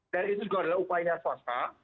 dan itu juga adalah upaya swasta